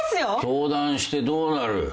相談してどうなる。